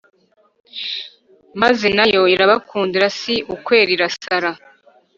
maze na yo irabakundira si ukwera irasara